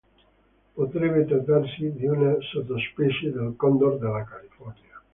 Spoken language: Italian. Potrebbe trattarsi di una sottospecie del Condor della California.